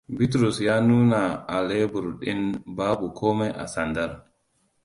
Bitrus ya nuna a lebur ɗin babu komai a sandar.